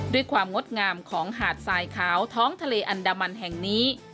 งดงามของหาดทรายขาวท้องทะเลอันดามันแห่งนี้